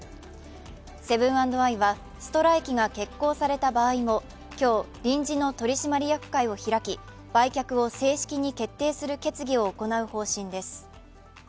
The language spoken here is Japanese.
セブン＆アイはストライキが決行された場合も今日、臨時の取締役会を開き、売却を正式に決定する決議を行う方針です。